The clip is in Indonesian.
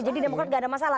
jadi demokras gak ada masalah